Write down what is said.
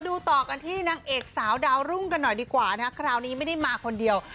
ต่อกันที่นางเอกสาวดาวรุ่งกันหน่อยดีกว่านะคะคราวนี้ไม่ได้มาคนเดียว